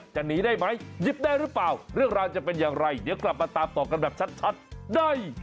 จะหนีได้ไหมหยิบได้หรือเปล่าเรื่องราวจะเป็นอย่างไรเดี๋ยวกลับมาตามต่อกันแบบชัดได้